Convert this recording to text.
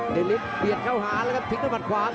เปลี่ยนเข้าหาแล้วก็ถิงด้วยหมาดขวาง